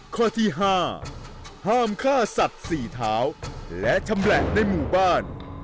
ข้อที่๕ห้ามฆ่าสัตว์๔เท้าและชำแหละในหมู่บ้าน